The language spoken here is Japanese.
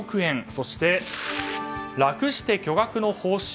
そして、楽して巨額の報酬？